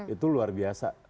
itu luar biasa